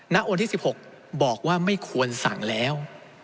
ณวันที่๑๖บอกว่าไม่ควรสั่งแล้ว